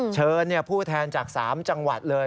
เชิญผู้แทนจาก๓จังหวัดเลย